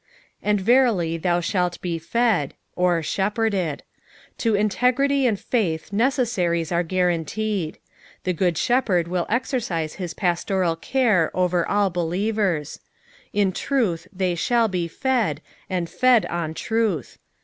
" And verily thou ilialt befed," vr thepherded. To integrity and faith nccessarieB nre guaranteed. The good shepherd will exercise his pastoml care over all bcTicvers. In truth ihey shall be fed, and fed on truth.